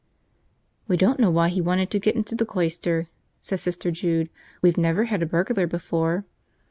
"We don't know why he'd want to get into the cloister," said Sister Jude. "We've never had a burglar before!"